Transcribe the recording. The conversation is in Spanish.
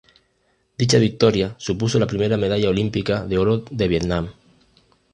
Dicha victoria supuso la primera medalla olímpica de oro de Vietnam.